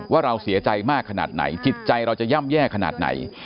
ว่าเราเสียใจมากขนาดไหนจิตใจเราจะย่ำแย่ขนาดไหน